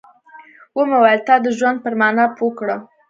ومې ويل تا د ژوند پر مانا پوه کړم.